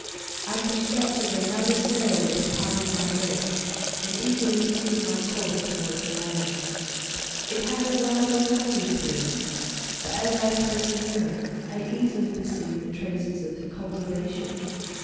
I constructed another sail with a part of my dress and eagerly steered my course towards the land. It had a wild and rocky appearance, but as I approached nearer I easily perceived the traces of cultivation.